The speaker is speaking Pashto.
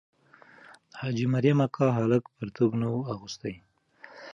د حاجي مریم اکا هلک پرتوګ نه وو اغوستی.